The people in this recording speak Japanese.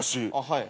はい。